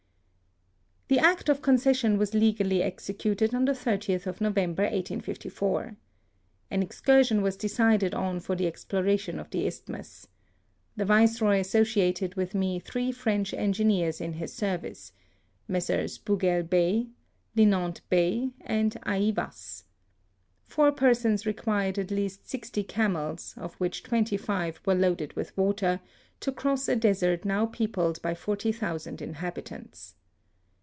The act of concession was legally executed on the 30th of November 1854. An excur sion was decided on for the exploration of the isthmus. The Viceroy associated with me three French engineers in his service — Messrs Mougel Bey, Linant Bey, and Aivas. Four persons required at least sixty camels, of which twenty five Were loaded with water, to cross a desert now peopled by 40,000 inhabitants.